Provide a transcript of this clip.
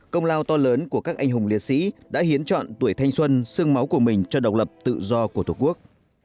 công lao to lớn của các anh hùng liệt sĩ đã hiến chọn tuổi thanh xuân sương máu của mình cho độc lập tự do của tổ quốc